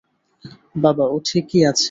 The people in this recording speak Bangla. বাবা, ও ঠিকই আছে।